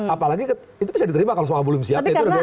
apalagi itu bisa diterima kalau soal belum siap itu udah biasa